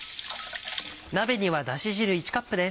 鍋にはだし汁１カップです。